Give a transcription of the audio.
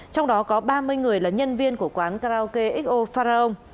trong đó có ba mươi người là nhân viên của quán karaoke xo faraom